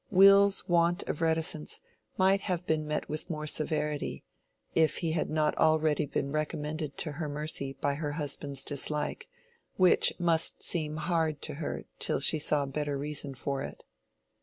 Will's want of reticence might have been met with more severity, if he had not already been recommended to her mercy by her husband's dislike, which must seem hard to her till she saw better reason for it.